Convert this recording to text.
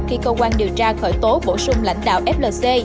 khi cơ quan điều tra khởi tố bổ sung lãnh đạo flc